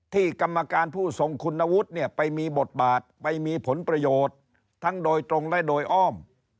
กรรมการผู้ทรงคุณวุฒิเนี่ยไปมีบทบาทไปมีผลประโยชน์ทั้งโดยตรงและโดยอ้อม